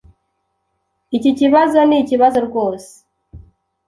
Iki kibazo nikibazo rwose.